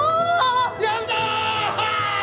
やんだ！